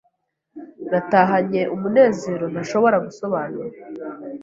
natahanye umunezero ntashobora gusobanura.